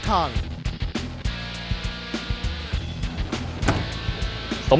แกร่งจริง